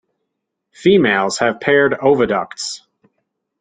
Females have paired oviducts.